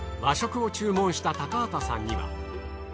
和食を注文した高畑さんには。